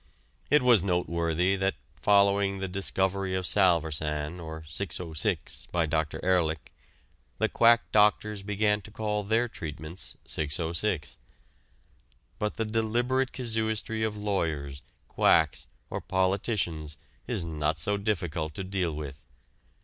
It was noteworthy that, following the discovery of salvarsan or "606" by Dr. Ehrlich, the quack doctors began to call their treatments "606." But the deliberate casuistry of lawyers, quacks, or politicians is not so difficult to deal with.